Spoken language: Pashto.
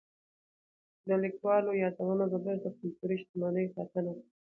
د لیکوالو یادونه زموږ د کلتوري شتمنۍ ساتنه ده.